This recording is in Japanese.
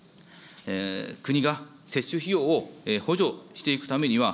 国が接種費用を補助していくためには、